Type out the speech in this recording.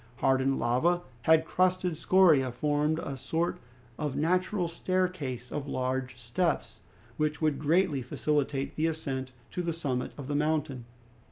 Hardened lava and crusted scoria formed a sort of natural staircase of large steps, which would greatly facilitate the ascent to the summit of the mountain.